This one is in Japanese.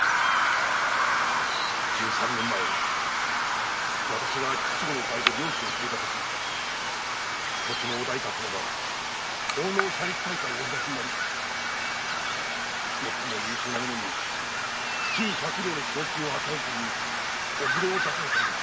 １３年前私が秩父の在で猟師をしていた時土地のお代官様が奉納射撃大会をお開きになり最も優秀な者に金百両の賞金を与えるというおふれを出されたのです。